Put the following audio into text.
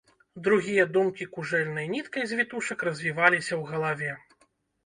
Другія думкі кужэльнай ніткай з вітушак развіваліся ў галаве.